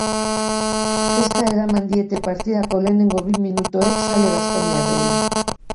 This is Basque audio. Kezka eraman diete partidako lehenengo bi minutuek zale baskoniarrei.